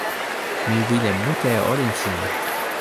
mi wile mute e olin sina!